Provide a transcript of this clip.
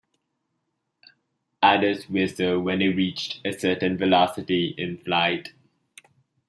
Others whistle when they reach a certain velocity in flight.